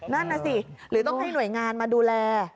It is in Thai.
นั่นน่ะสิหรือต้องให้หน่วยงานมาดูแล